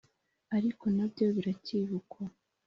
ariko nabyo biracyibukwa;